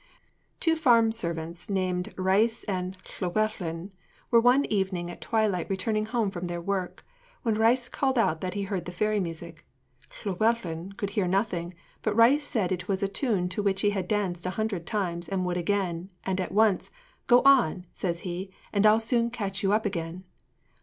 Two farm servants named Rhys and Llewellyn were one evening at twilight returning home from their work, when Rhys cried out that he heard the fairy music. Llewellyn could hear nothing, but Rhys said it was a tune to which he had danced a hundred times, and would again, and at once. 'Go on,' says he, 'and I'll soon catch you up again.'